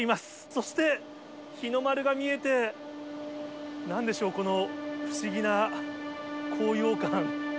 そして、日の丸が見えて、なんでしょう、この不思議な高揚感。